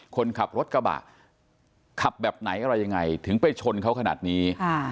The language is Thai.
คนขับรถกระบะขับแบบไหนอะไรยังไงถึงไปชนเขาขนาดนี้